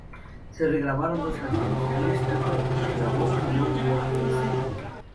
Se re-grabaron dos canciones: Alice Cooper re-grabó "No More Mr.